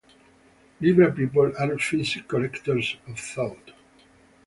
Libra people are psychic collectors of thought.